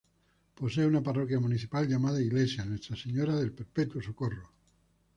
Posee una parroquia municipal llamada Iglesia nuestra señora del Perpetuo Socorro.